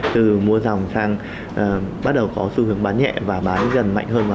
từ mua dòng sang bắt đầu có xu hướng bán nhẹ và bán dần mạnh hơn